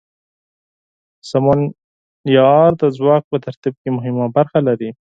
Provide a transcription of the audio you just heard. سمونیار د ځواک په ترتیب کې مهمه برخه لري.